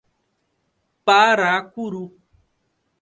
Paracuru